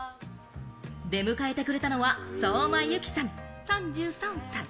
出迎えてくれたのは相馬由季さん、３３歳。